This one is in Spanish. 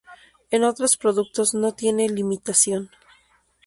En otros productos no tiene limitación.